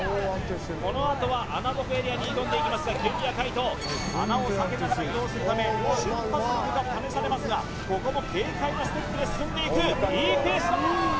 このあとは穴ぼこエリアに挑んでいきますが清宮海斗穴を避けながら移動するため瞬発力が試されますがここも軽快なステップで進んでいくいいペースだ